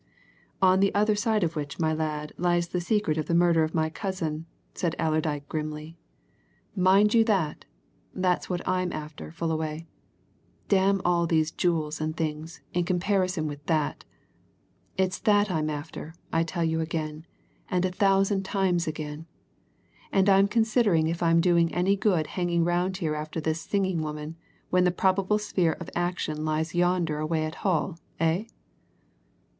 "On the other side of which, my lad, lies the secret of the murder of my cousin," said Allerdyke grimly. "Mind you that! That's what I'm after, Fullaway. Damn all these jewels and things, in comparison with that! it's that I'm after, I tell you again, and a thousand times again. And I'm considering if I'm doing any good hanging round here after this singing woman when the probable sphere of action lies yonder away at Hull, eh?"